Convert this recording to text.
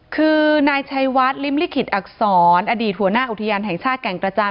คือนายชัยวัดริมลิขิตอักษรอดีตหัวหน้าอุทยานแห่งชาติแก่งกระจาน